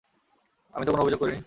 আমি তো কোনো অভিযোগ করিনি।